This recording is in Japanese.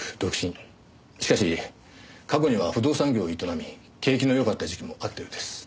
しかし過去には不動産業を営み景気のよかった時期もあったようです。